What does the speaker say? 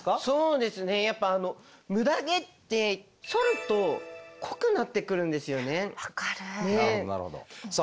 そうですねやっぱムダ毛ってそると濃くなってくるんですよね。